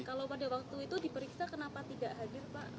kalau pada waktu itu diperiksa kenapa tidak hadir pak